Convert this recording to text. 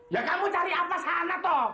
ya kamu cari atas sana toh